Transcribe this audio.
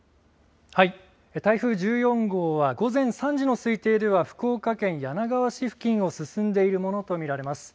台風１４号は午前３時の推定では福岡県柳川市付近を進んでいるものと見られます。